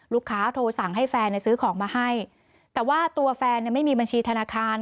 โทรสั่งให้แฟนซื้อของมาให้แต่ว่าตัวแฟนเนี่ยไม่มีบัญชีธนาคาร